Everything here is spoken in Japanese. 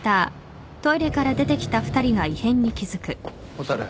蛍。